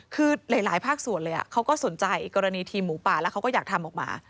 คือหลายภาคส่วนเลยเขาก็สนใจกรณีทีมหมูป่าแล้วเขาก็อยากทำออกมา